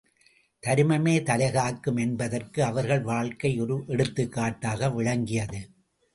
தருமமே தலை காக்கும் என்பதற்கு அவர்கள் வாழ்க்கை ஒரு எடுத்துக்காட்டாக விளங்கியது.